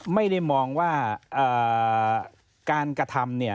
ไม่ได้มองว่าการกระทำ